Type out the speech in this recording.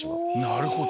なるほど。